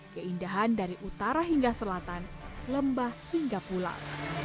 keindahan dari utara hingga selatan lembah hingga pulau